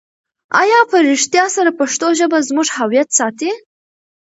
آیا په رښتیا سره پښتو ژبه زموږ هویت ساتي؟